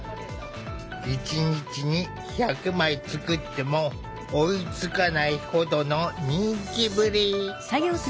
一日に１００枚作っても追いつかないほどの人気ぶり！